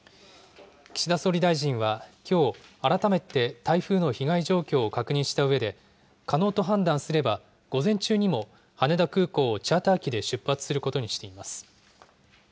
岸田総理大臣は、きょう、改めて台風の被害状況を確認したうえで、可能と判断すれば午前中にも、羽田空港をチャーター機で出発することにしています。